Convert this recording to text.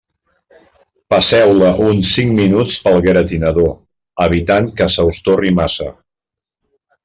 Passeu-la uns cinc minuts pel gratinador, evitant que se us torri massa.